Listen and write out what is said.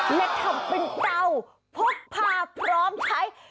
และทำเป็นเตาพกพาพร้อมใช้